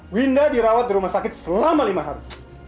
winda dirawat di rumah sakit selama lima hari